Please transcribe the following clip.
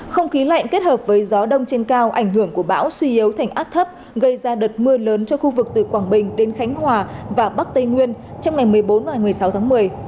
không khí lạnh kết hợp với gió đông trên cao ảnh hưởng của bão suy yếu thành áp thấp gây ra đợt mưa lớn cho khu vực từ quảng bình đến khánh hòa và bắc tây nguyên trong ngày một mươi bốn và một mươi sáu tháng một mươi